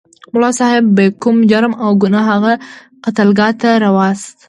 ملا صاحب بې کوم جرم او ګناه هغه قتلګاه ته راوست.